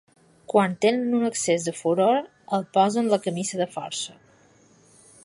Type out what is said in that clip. Quan tenen un accés de furor, els posen la camisa de força.